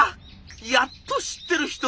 やっと知ってる人！